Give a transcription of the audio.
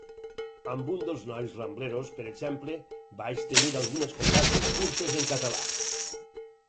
Amb un dels nois Rambleros, per exemple, vaig tenir algunes converses curtes en català.